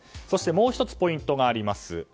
もう１つポイントがあります。